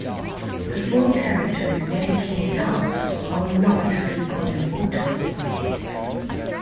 The four territories making it up are not of equal importance.